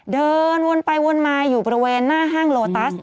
เดินวนไปวนมาอยู่บริเวณหน้าห้างโลตัส